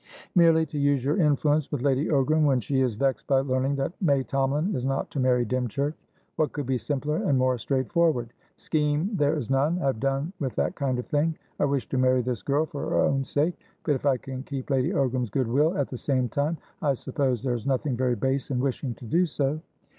"Merely to use your influence with Lady Ogram when she is vexed by learning that May Tomalin is not to marry Dymchurch. What could be simpler and more straightforward? Scheme there is none. I have done with that kind of thing. I wish to marry this girl, for her own sake, but if I can keep Lady Ogram's good will at the same time, I suppose there's nothing very base in wishing to do so?"